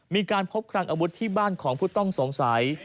มีการพบคลังอาวุธที่บ้านของผู้ต้องสงสัย